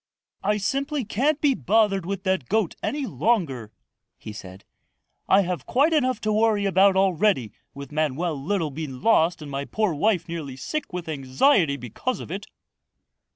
"I simply can't be bothered with that goat any longer," he said. "I have quite enough to worry about already with Manoel Littlebean lost and my poor wife nearly sick with anxiety because of it."